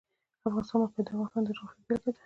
د افغانستان د موقعیت د افغانستان د جغرافیې بېلګه ده.